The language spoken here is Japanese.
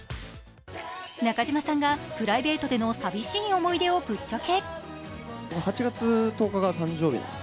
中島さんがプライベートでの寂しい思い出をぶっちゃけ。